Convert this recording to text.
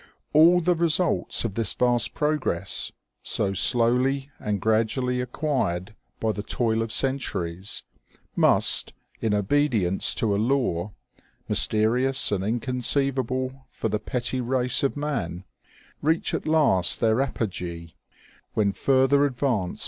All the results of this vast progress, so slowly and grad ually acquired by the toil of centuries, must, in obedience to a law, mysterious and inconceivable for the petty race of man, reach at last their apogee, when further advance 220 OMEGA